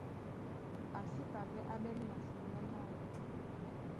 A sí ta pɛ́ á ɓɛ́nɛ́ masoŋgá máō.